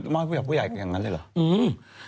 มอบให้กับผู้ใหญ่อย่างนั้นเลยเหรอ